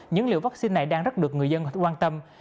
những liều vaccine này đang rất được người dân quan tâm